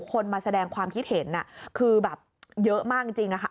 คนมาแสดงความคิดเห็นคือแบบเยอะมากจริงค่ะ